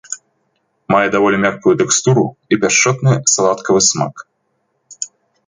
Мае даволі мяккую тэкстуру і пяшчотны саладкавы смак.